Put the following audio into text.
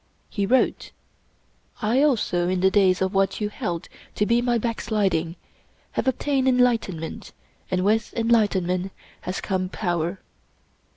He wrote :" I also, in the days of what you held to be my backsliding, have obtained enlightenment, and with enlight enment has come power."